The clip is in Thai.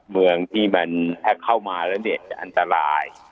เมืองที่มันเข้ามาแล้วเนี่ยจะอันตราย